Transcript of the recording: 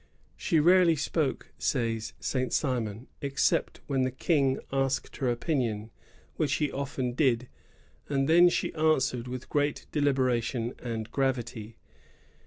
"She rarely spoke," says Saint Simon, "except when the King asked her opinion, which he often did ; and then she answered with great deliberation and gravity.